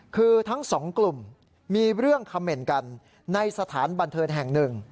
คือทั้งสองกลุ่มมีเรื่องคำเมนต์กันในสถานบันเทิงแห่งหนึ่ง